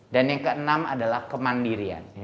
dan yang keenam adalah kemandirian